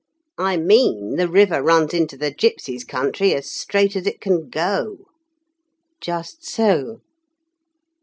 I mean, the river runs into the gipsies' country as straight as it can go." "Just so."